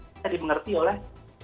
bisa dimengerti oleh